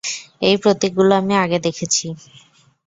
এই প্রতীকগুলো আমি আগে দেখেছি।